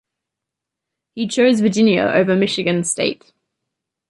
He chose Virginia over Michigan State.